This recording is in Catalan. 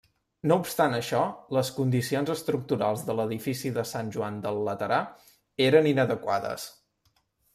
No obstant això, les condicions estructurals de l'edifici de Sant Joan del Laterà eren inadequades.